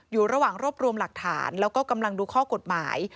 อยู่ระหว่างรวบรวมหลักฐานแล้วก็กำลังดูข้อกฎหมาย